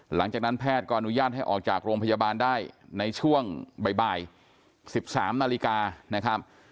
หลังจากนั้นแพทย์ก็อนุญาตให้ออกจากโรงพยาบาลได้ในช่วงบ่าย๑๓นาฬิกานะครับ